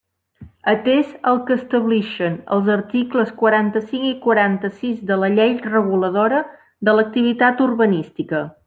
Atés al que establixen els articles quaranta-cinc i quaranta-sis de la Llei reguladora de l'activitat urbanística.